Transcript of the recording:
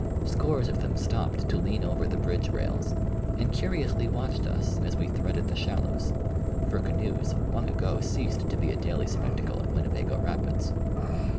Scores of them stopped to lean over the bridge rails, and curiously watched us as we threaded the shallows; for canoes long ago ceased to be a daily spectacle at Winnebago Rapids.